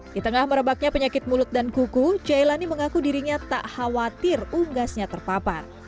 di tengah merebaknya penyakit mulut dan kuku jailani mengaku dirinya tak khawatir unggasnya terpapar